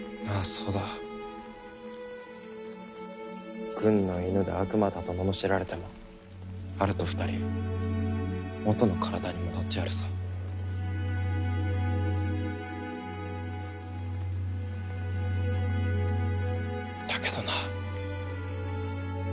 そうだ軍の狗だ悪魔だと罵られてもアルと２人元の体に戻ってやるさだけどな